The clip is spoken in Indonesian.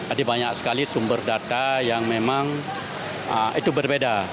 tadi banyak sekali sumber data yang memang itu berbeda